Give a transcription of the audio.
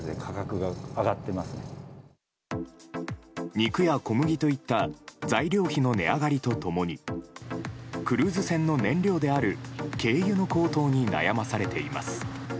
肉や小麦といった材料費の値上がりと共にクルーズ船の燃料である軽油の高騰に悩まされています。